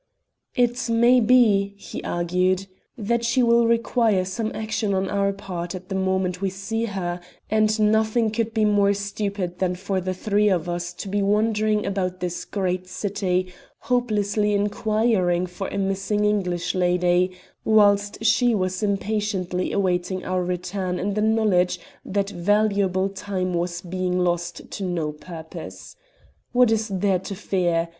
"It may be," he argued, "that she will require some action on our part the moment we see her, and nothing could be more stupid than for the three of us to be wandering about this great city hopelessly inquiring for a missing English lady, whilst she was impatiently awaiting our return in the knowledge that valuable time was being lost to no purpose. What is there to fear?